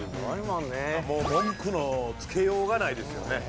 文句のつけようがないですよね。